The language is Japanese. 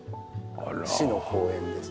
市の公園です。